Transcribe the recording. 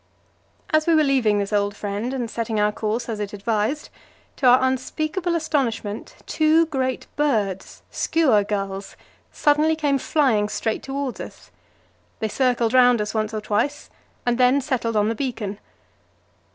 As we were leaving this old friend and setting our course as it advised, to our unspeakable astonishment two great birds skua gulls suddenly came flying straight towards us. They circled round us once or twice and then settled on the beacon.